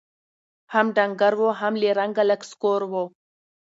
هم ډنګر وو هم له رنګه لکه سکور وو